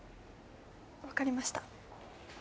分かりました